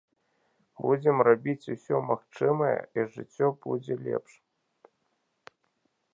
Будзем рабіць усё магчымае і жыццё будзе лепш.